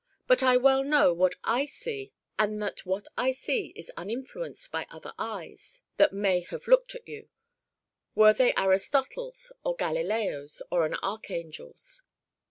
But I well know what I see and that what I see is uninfluenced by other eyes that may have looked at you, were they Aristotle's or Galileo's or an archangel's.